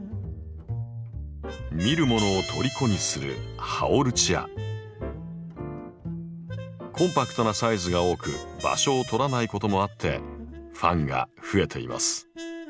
見る者をとりこにするコンパクトなサイズが多く場所を取らないこともあってファンが増えています。